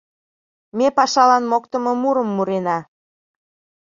Ме пашалан моктымо мурым мурена: